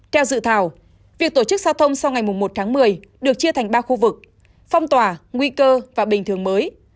theo dự thảo việc tổ chức giao thông sau ngày một tháng một mươi được chia thành ba khu vực phong tỏa nguy cơ và bình thường mới